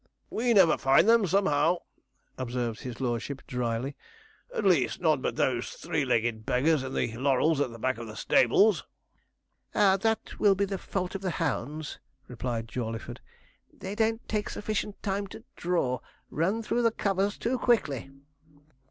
'We never find them, then, somehow,' observed his lordship, drily; 'at least, none but those three legged beggars in the laurels at the back of the stables.' 'Ah! that will be the fault of the hounds,' replied Jawleyford; 'they don't take sufficient time to draw run through the covers too quickly.'